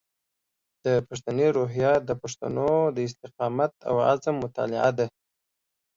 د پښتني روحیه د پښتنو د استقامت او عزم مطالعه ده.